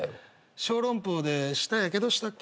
小籠包で舌やけどしたっけ。